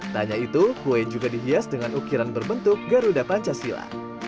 tanya itu kue juga dihias dengan ukiran berbentuk garuda pancasila